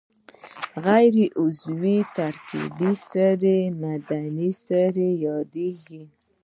غیر عضوي ترکیبي سرې معدني سرې یادیږي.